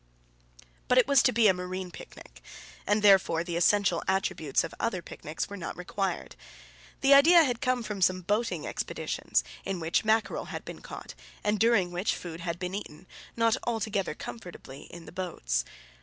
But it was to be a marine picnic, and therefore the essential attributes of other picnics were not required. The idea had come from some boating expeditions, in which mackerel had been caught, and during which food had been eaten, not altogether comfortably, in the boats.